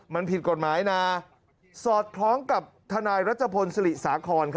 มันผิดกฎหมายนะสอดคล้องกับทนายรัชพลศรีสาคร